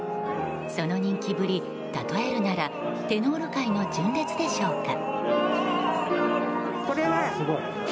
その人気ぶり、例えるならテノール界の純烈でしょうか。